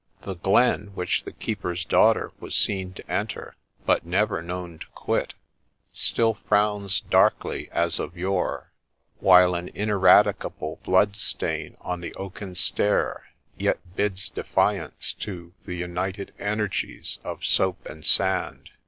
The Glen, which the keeper's daughter was seen to enter, but never known to quit, still frowns darkly as of yore ; while an ineradicable bloodstain on the oaken stair yet bids defiance to the united energies of soap and sand.